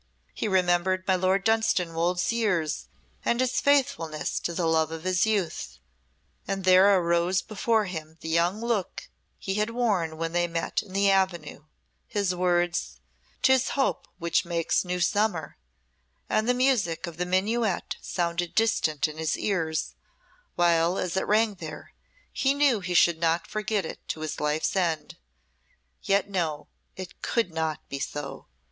He remembered my Lord Dunstanwolde's years and his faithfulness to the love of his youth, and there arose before him the young look he had worn when they met in the avenue, his words, "'Tis hope which makes new summer," and the music of the minuet sounded distant in his ears, while as it rang there, he knew he should not forget it to his life's end. Yet no, it could not be so.